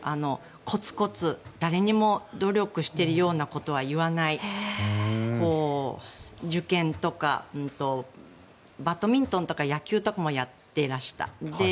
コツコツ誰にも努力しているようなことは言わない受験とかバドミントンとか野球とかもやってらした。